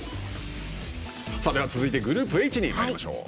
では続いてグループＨにまいりましょう。